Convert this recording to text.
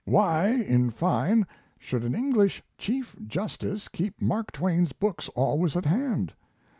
Why, in fine, should an English chief justice keep Mark Twain's books always at hand?